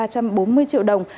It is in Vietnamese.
ba trăm bốn mươi triệu đồng